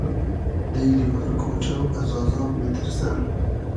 دیلی پور کۉݖۆ از آزاب میتیرسۂ